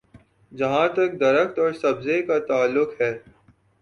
جہاں تک درخت اور سبزے کا تعلق ہے۔